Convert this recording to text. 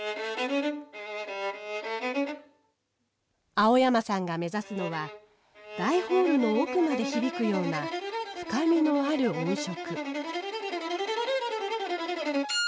青山さんが目指すのは大ホールの奥まで響くような深みのある音色。